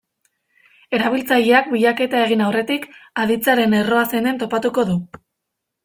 Erabiltzaileak bilaketa egin aurretik, aditzaren erroa zein den topatuko du.